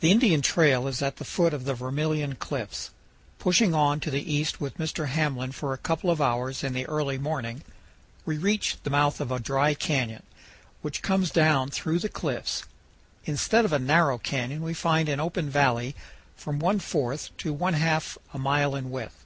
The Indian trail is at the foot of the Vermilion Cliffs. Pushing on to the east with Mr. Hamblin for a couple of hours in the early morning, we reach the mouth of a dry canyon, which comes down through the cliffs. Instead of a narrow canyon we find an open valley from one fourth to one half a mile in width.